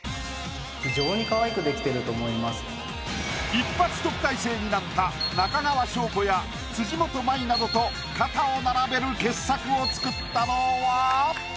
一発特待生になった中川翔子や辻元舞などと肩を並べる傑作を作ったのは？